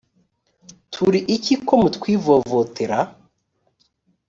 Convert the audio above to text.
turi iki ko mutwivovotera